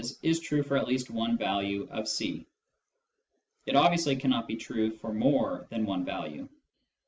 is true for at least one value of c. It obviously cannot be true for more than one value.